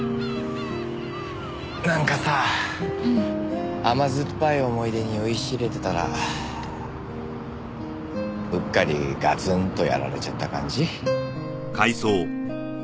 なんかさ甘酸っぱい思い出に酔いしれてたらうっかりガツンとやられちゃった感じ？